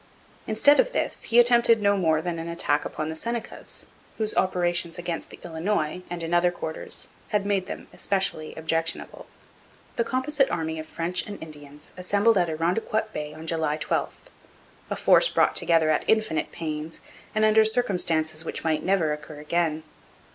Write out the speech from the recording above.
Instead of this he attempted no more than an attack upon the Senecas, whose operations against the Illinois and in other quarters had made them especially objectionable. The composite army of French and Indians assembled at Irondequoit Bay on July 12 a force brought together at infinite pains and under circumstances which might never occur again.